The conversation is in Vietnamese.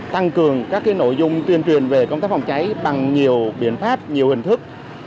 tăng cường các nội dung tuyên truyền về công tác phòng cháy bằng nhiều biện pháp nhiều hình thức